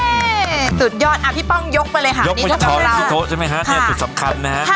อ่าเย่สุดยอดอ่ะพี่ป้องยกไปเลยค่ะยกไปใช่ไหมคะค่ะเนี้ยสุดสำคัญนะฮะ